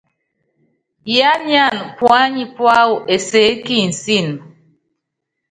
Yiányánana puányi púáwɔ enseé kinsííni.